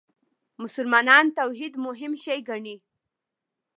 مسلمانان توحید مهم شی ګڼي.